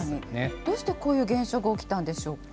どうしてこういう現象が起きたんでしょうか。